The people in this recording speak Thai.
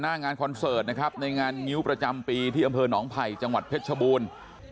งานคอนเสิร์ตนะครับในงานงิ้วประจำปีที่อำเภอหนองไผ่จังหวัดเพชรชบูรณ์